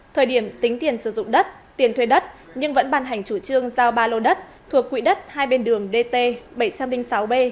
thời điểm tính tiền sử dụng đất tiền thuê đất nhưng vẫn bàn hành chủ trương giao ba lô đất thuộc quỹ đất hai bên đường dt bảy trăm linh sáu b